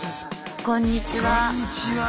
こんにちは。